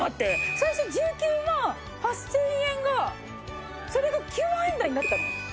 最初１９万８０００円がそれが９万円台になったの？